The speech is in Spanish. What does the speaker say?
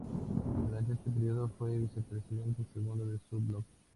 Durante este período fue vicepresidente segundo de su bloque.